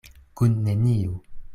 Kun neniu.